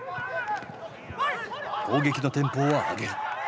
攻撃のテンポを上げる。